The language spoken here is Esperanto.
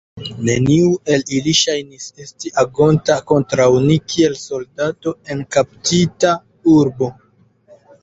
Neniu el ili ŝajnis esti agonta kontraŭ ni kiel soldato en kaptita urbo.